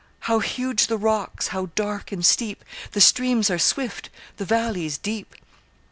How huge the rocks! How dark and steep! The streams are swift! The valleys deep!